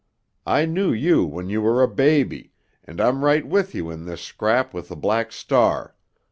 I knew you when you were a baby, and I'm right with you in this scrap with the Black Star.